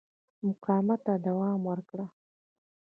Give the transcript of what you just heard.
مقاومت ته دوام ورکړ.